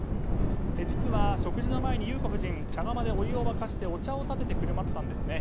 実は食事の前に裕子夫人茶釜でお湯を沸かしてお茶を立てて振る舞ったんですね。